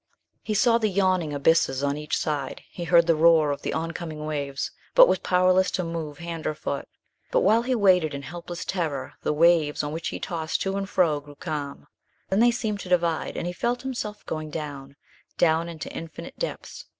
He saw the yawning abysses on each side, he heard the roar of the on coming waves, but was powerless to move hand or foot. But while he waited in helpless terror the waves on which he tossed to and fro grew calm; then they seemed to divide, and he felt himself going down, down into infinite depths.